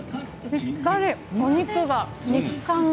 しっかりお肉が食感が。